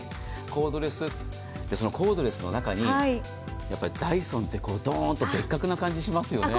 コードレスそのコードレスの中にダイソンって別格な感じしますよね。